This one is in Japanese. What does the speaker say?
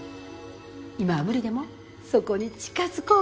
今は無理でもそこに近づこう